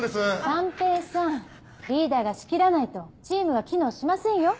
三瓶さんリーダーが仕切らないとチームが機能しませんよ。